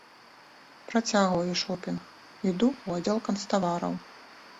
Працягваю шопінг, іду ў аддзел канцтавараў.